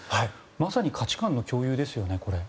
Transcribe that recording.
まさに価値観の共有ですよね。